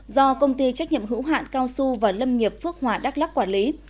do công ty trách nhiệm hữu hạn cao su và lâm nghiệp phước hòa đắk lắc quản lý